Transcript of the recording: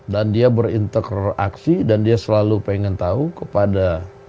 dan dia berinteraksi dan dia selalu pengen tahu kepada